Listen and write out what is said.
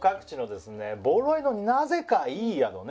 ボロいのになぜかいい宿ね